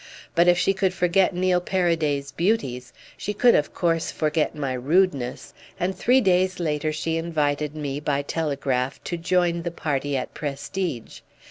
But if she could forget Neil Paraday's beauties she could of course forget my rudeness, and three days later she invited me, by telegraph, to join the party at Prestidge.